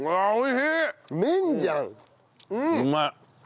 うまい。